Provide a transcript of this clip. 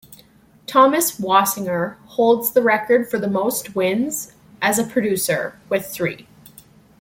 Thomas Wasinger holds the record for the most wins as a producer, with three.